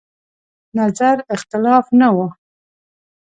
نظر اختلاف نه و.